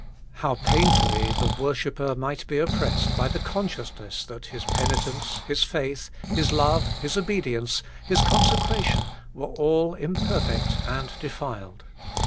How painfully the wor shipper might be oppressed by the consciousness that his penitence, his faith, his love, his obedience, his consecration, were all imperfect and defiled